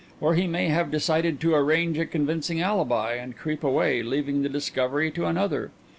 Or he may have decided to arrange a convincing alibi, and creep away, leaving the discovery to another.